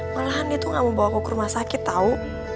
malahan dia tuh gak mau bawa aku ke rumah sakit tau